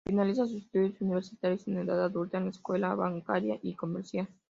Finaliza sus estudios universitarios en edad adulta en la Escuela Bancaria y Comercial.